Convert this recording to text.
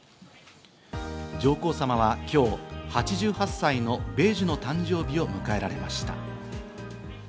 上皇さまは今日は８８歳の米寿の誕生日を迎えられました。